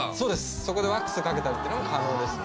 そこでワックスかけたりっていうのが可能ですね。